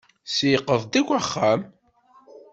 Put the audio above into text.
Tseyyeq-d akk axxam.